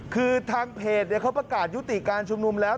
คือทางเพจเขาประกาศยุติการชุมนุมแล้ว